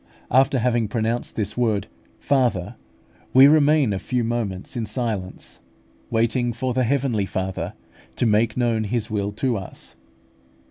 After having pronounced this word Father, we remain a few moments in silence, waiting for this heavenly Father to make known His will to us.